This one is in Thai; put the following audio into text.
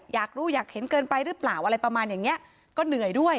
อยากรู้อยากเห็นเกินไปหรือเปล่าอะไรประมาณอย่างเนี้ยก็เหนื่อยด้วย